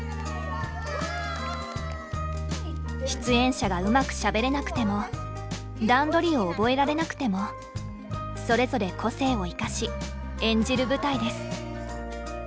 出演者がうまくしゃべれなくても段取りを覚えられなくてもそれぞれ個性を生かし演じる舞台です。